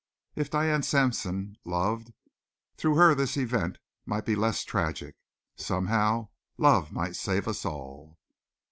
If Diane Sampson loved, through her this event might be less tragic. Somehow love might save us all.